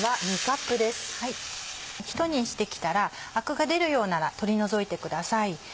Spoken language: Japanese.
ひと煮してきたらアクが出るようなら取り除いてください。